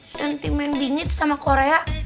sentimen bingit sama korea